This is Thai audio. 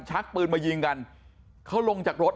ชักปืนมายิงกันเขาลงจากรถ